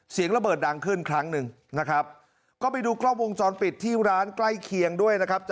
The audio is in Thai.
เสียงระเบิดดังขึ้นครั้งหนึ่งนะครับก็ไปดูกล้องวงจรปิดที่ร้านใกล้เคียงด้วยนะครับ